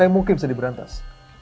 mungkin bisa diberantas